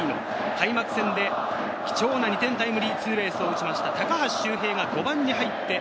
開幕戦、貴重な２点タイムリーツーベースを打ちました高橋周平は５番に入っています。